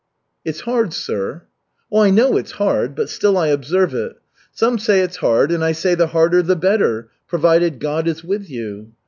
"It's hard, sir." "I know it's hard, but still I observe it. Some say it's hard, and I say the harder the better, provided God is with you!